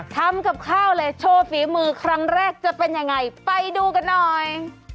ทำกับข้าวเลยโชว์ฝีมือครั้งแรกจะเป็นยังไงไปดูกันหน่อย